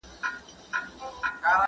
لکه چي جوړ سو .